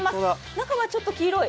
中はちょっと黄色い。